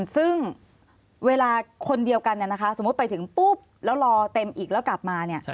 ซึ่งเวลาคนเดียวกันสมมุติไปถึงปุ๊บแล้วรอเต็มอีกแล้วกลับมาเนี่ย